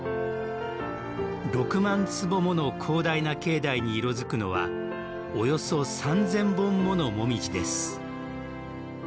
６万坪もの広大な境内に色づくのはおよそ３０００本ものモミジです。